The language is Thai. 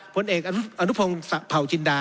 ผลเอกอนุพงศ์เผาจินดา